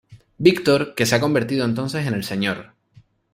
Victor, que se ha convertido entonces en el Sr.